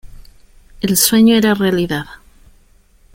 El sueño era realidad.